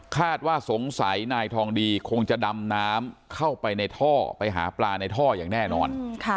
ว่าสงสัยนายทองดีคงจะดำน้ำเข้าไปในท่อไปหาปลาในท่ออย่างแน่นอน